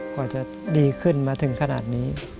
กว่าจะดีขึ้นมาถึงขนาดนี้